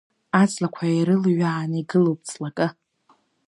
Аҵлақәа ирылҩааны игылоуп ҵлакы…